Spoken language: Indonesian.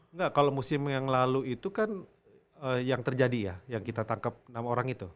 enggak kalau musim yang lalu itu kan yang terjadi ya yang kita tangkap enam orang itu